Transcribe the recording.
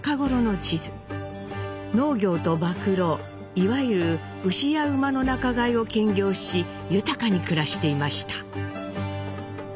農業と馬喰いわゆる牛や馬の仲買を兼業し豊かに暮らしていました。